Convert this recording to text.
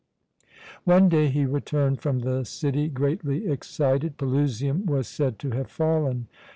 One day he returned from the city greatly excited. Pelusium was said to have fallen.